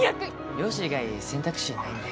漁師以外選択肢ないんで。